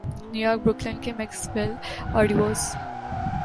new York Brooklyn کے Maxwell آرڈی was